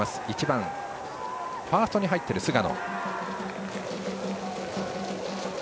１番、ファーストに入っている菅野。